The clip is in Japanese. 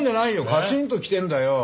カチンときてるんだよ。